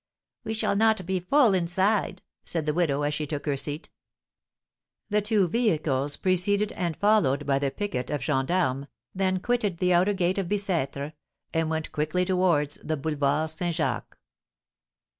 "We shall not be full inside," said the widow, as she took her seat. The two vehicles, preceded and followed by the picquet of gens d'armes, then quitted the outer gate of Bicêtre, and went quickly towards the Boulevard St. Jacques.